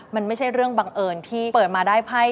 มันไม่ใช่เรื่องบังเอิญที่เปิดมาได้ไพ่